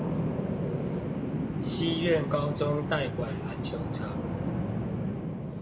西苑高中代管籃球場